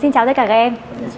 xin chào tất cả các em